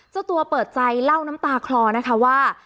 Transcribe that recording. เจ้าตัวเปิดใจเล่าน้ำตาคลอนะคะว่า